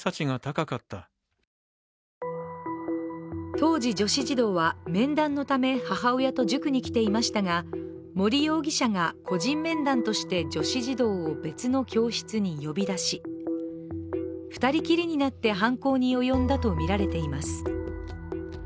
当時、女子児童は面談のため母親と塾に来ていましたが森容疑者が個人面談として女子児童を別の教室に呼び出し、二人きりになって犯行に及んだとみられています。